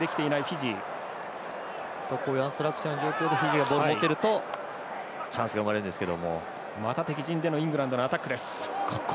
アンストラクチャーの状況でフィジーがボールを持っているとチャンスが生まれるんですが。